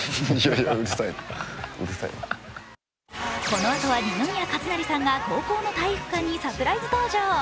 このあとは二宮和也さんが高校の体育館にサプライズ登場。